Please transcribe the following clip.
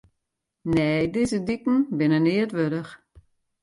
Nee, dizze diken binne neat wurdich.